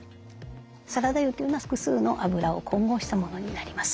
サラダ油というのは複数のあぶらを混合したものになります。